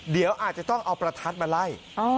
เดี๋ยวอาจจะต้องเอาประทัดมาไล่